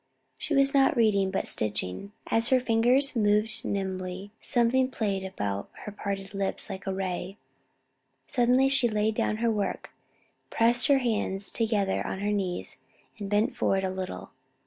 She was not reading, but stitching; and as her fingers moved nimbly, something played about her parted lips like a ray. Suddenly she laid down her work, pressed her hands together on her knees, and bent forward a little.